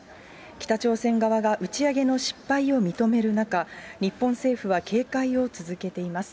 北朝鮮側が打ち上げの失敗を認める中、日本政府は警戒を続けています。